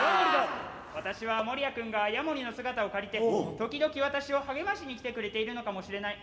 「私はモリヤくんがヤモリの姿を借りて時々私を励ましに来てくれているのかもしれない。